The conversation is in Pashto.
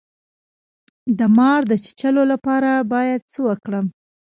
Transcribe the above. د مار د چیچلو لپاره باید څه وکړم؟